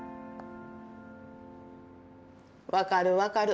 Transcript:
分かる分かる。